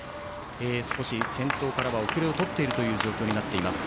先頭からは後れを取っている状況となっています。